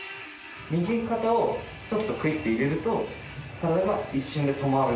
右肩をちょっとクイッて入れると体が一瞬で止まる。